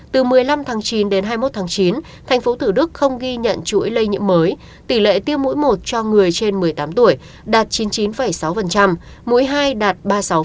từ một mươi năm tháng chín đến hai mươi một tháng chín thành phố thủ đức không ghi nhận chuỗi lây nhiễm mới tỷ lệ tiêm mũi một cho người trên một mươi tám tuổi đạt chín mươi chín sáu mũi hai đạt ba mươi sáu